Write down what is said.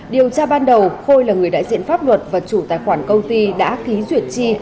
điều tra ban đầu khôi là người đại diện pháp luật và chủ tài khoản công ty đã ký duyệt chi